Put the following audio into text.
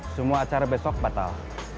semua acara besok batal